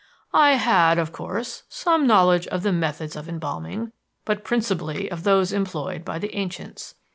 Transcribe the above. "I had, of course, some knowledge of the methods of embalming, but principally of those employed by the ancients.